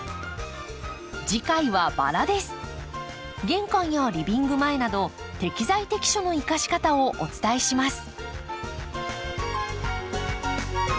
玄関やリビング前など適材適所の生かし方をお伝えします。